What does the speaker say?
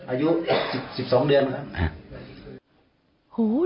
อายุ๑๒เดือน